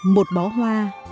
một bó hoa